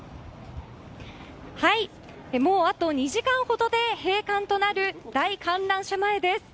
もうあと２時間ほどで閉館となる大観覧車前です。